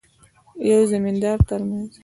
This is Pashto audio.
یوه زمیندار ترمنځ.